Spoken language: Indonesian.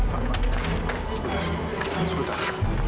pak pak sebentar sebentar